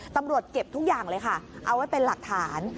ตำรวจเก็บทุกอย่างเลยค่ะเอาไว้เป็นหลักฐาน